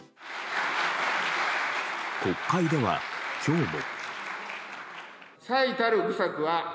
国会では今日も。